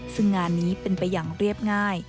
ซึ่งงานนี้เป็นไปอย่างเรียบง่าย